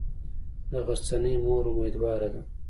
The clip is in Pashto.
د غرڅنۍ مور امیدواره ده.